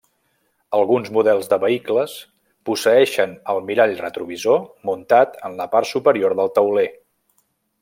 Alguns models de vehicles posseeixen el mirall retrovisor muntat en la part superior del tauler.